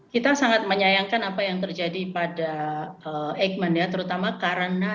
kita sangat menyayangkan apa yang terjadi pada eijkman ya terutama karena